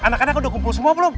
anak anak udah kumpul semua belum